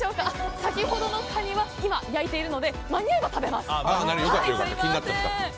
先ほどのカニは今焼いているので間に合えば食べます。